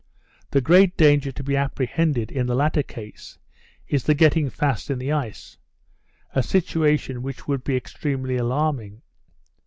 The great danger to be apprehended in this latter case, is the getting fast in the ice; a situation which would be exceedingly alarming.